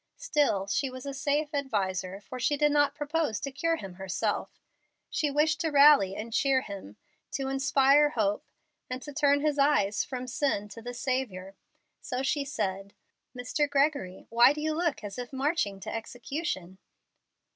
Still she was a safe adviser, for she did not propose to cure him herself. She wished to rally and cheer him, to inspire hope, and to turn his eyes from sin to the Saviour, so she said, "Mr. Gregory, why do you look as if marching to execution?"